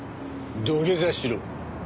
土下座しろ。